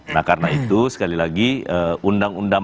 nah karena itu sekali lagi undang undang